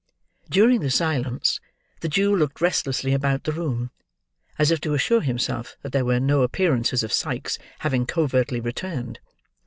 During the silence, the Jew looked restlessly about the room, as if to assure himself that there were no appearances of Sikes having covertly returned.